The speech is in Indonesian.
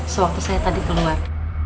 sewaktu saya tadi keluar